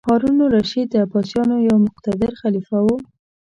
هارون الرشید د عباسیانو یو مقتدر خلیفه و.